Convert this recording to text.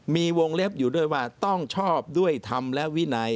มีวงเล็บอยู่ด้วยว่าต้องชอบด้วยธรรมและวินัย